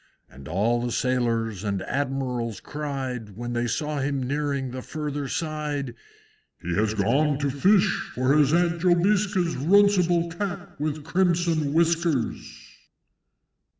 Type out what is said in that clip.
And all the Sailors and Admirals cried, When they saw him nearing the further side, "He has gone to fish, for his Aunt Jobiska's Runcible Cat with crimson whiskers!"